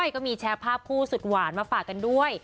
ก็มีแชร์ภาพคู่สุดหวานมาฝากกันด้วย